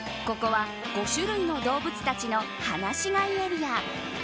ここは５種類の動物たちの放し飼いエリア。